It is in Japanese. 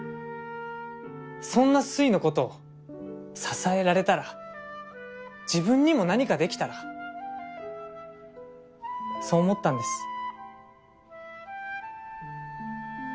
そんなスイの事を支えられたら自分にも何かできたらそう思ったんです。